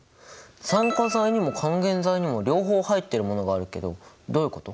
酸化剤にも還元剤にも両方入ってるものがあるけどどういうこと？